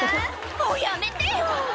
「もうやめてよ！」